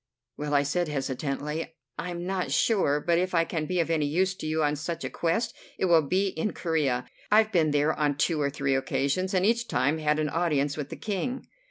"Well," I said hesitatingly, "I'm not sure, but if I can be of any use to you on such a quest it will be in Corea. I've been there on two or three occasions, and each time had an audience with the King."